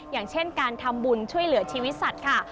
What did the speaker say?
อย่างเช่นการทำบุญช่วยเหลือชีวิตสัตว์ค่ะ